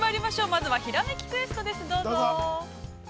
まずは「ひらめきクエスト」です、どうぞ。